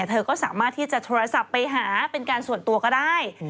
เธอก็สามารถที่จะโทรศัพท์ไปหาเป็นการส่วนตัวก็ได้